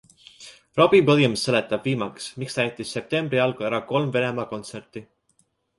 Robbie Williams seletab viimaks, miks ta jättis septembri algul ära kolm Venemaa kontserti.